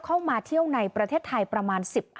เข้ามาเที่ยวในประเทศไทยประมาณ๑๕